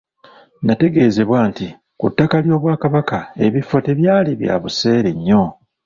Nategeezebwa nti ku ttaka ly'Obwakabaka ebifo tebyali bya buseere nnyo.